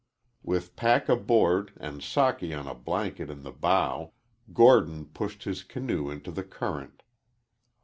With pack aboard and Socky on a blanket in the bow, Gordon pushed his canoe into the current.